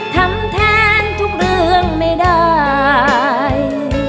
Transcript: ทำแทนทุกเรื่องไม่ได้